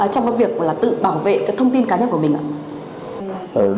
trong cái việc là tự bảo vệ cái thông tin cá nhân của mình ạ